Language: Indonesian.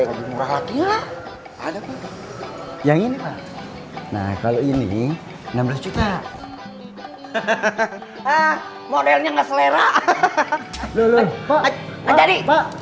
enggak ada yang ini nah kalau ini enam belas juta modelnya ngeselera lho lho pak